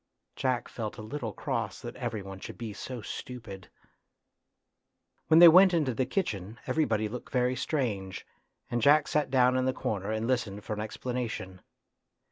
Jack felt a little cross that every one should be so stupid. When they went into the kitchen every 8 98 A TRAGEDY IN LITTLE body looked very strange, and Jack sat down in the corner and listened for an explanation.